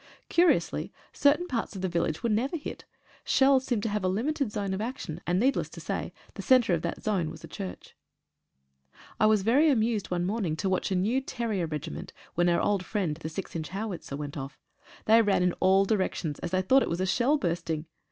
Curiously, certain parts of the village were never hit. Shells seem to have a limited zone of action, and, needless to say, the centre of that zone was a church. I was very amused one morning to watch a new "terrier" regiment, when our old friend, the 6 inch Howitzer went off. They ran in all directions, as they thought it was a shell bursting.